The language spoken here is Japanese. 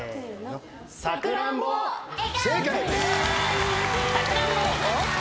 『さくらんぼ』正解！